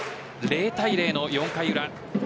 ０対０の４回裏。